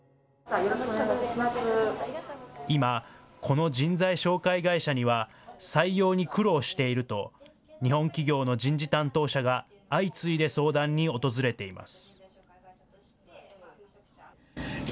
今、この人材紹介会社には、採用に苦労していると、日本企業の人事担当者が相次いで相談に訪れています。